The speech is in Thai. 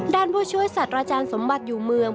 ด้านผู้ช่วยสัตว์ราชาญสมบัติอยู่เมือง